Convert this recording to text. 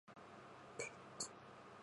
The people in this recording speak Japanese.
ペット